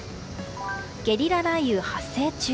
ゲリラ雷雨発生中。